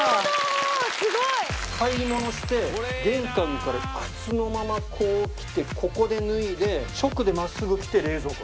すごい！買い物して玄関から靴のまま来てここで脱いで直で真っすぐ来て冷蔵庫。